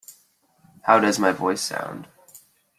How does my voice sound?